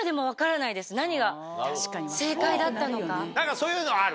そういうのある？